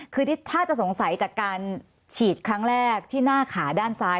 คือถ้าจะสงสัยจากการฉีดครั้งแรกที่หน้าขาด้านซ้าย